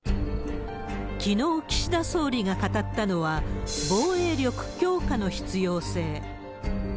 きのう、岸田総理が語ったのは、防衛力強化の必要性。